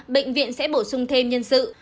bệnh viện sẽ bổ sung thêm nhân sự